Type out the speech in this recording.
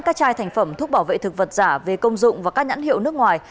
các chai thành phẩm thuốc bảo vệ thực vật giả về công dụng và các nhãn hiệu nước ngoài